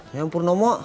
ya ampun om mo